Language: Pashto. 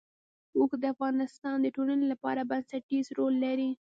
اوښ د افغانستان د ټولنې لپاره بنسټيز رول لري.